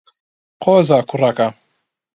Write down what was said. قۆزە کوڕەکە.